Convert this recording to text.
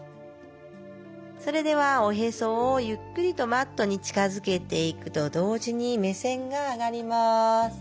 それではおへそをゆっくりとマットに近づけていくと同時に目線が上がります。